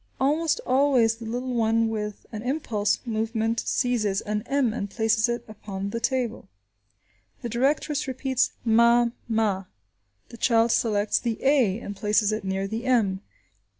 Almost always the little one with an impulsive movement seizes an m and places it upon the table. The directress repeats "ma–ma." The child selects the a and places it near the m.